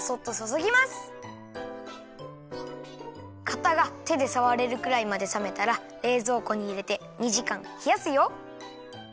かたがてでさわれるくらいまでさめたられいぞうこにいれて２じかんひやすよ。